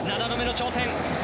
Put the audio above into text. ７度目の挑戦。